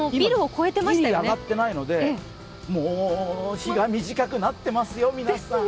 ギリ上がってないので、もう日が短くなってますよ、皆さん。